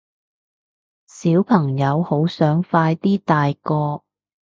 小朋友好想快啲大個